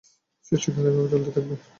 সৃষ্টিধারা এভাবেই চলতে থাকবে।